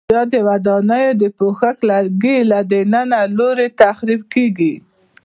یا د ودانیو د پوښښ لرګي له دننه لوري تخریب کېږي؟